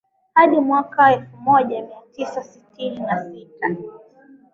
hadi mwaka elfu moja mia tisa sitini na sita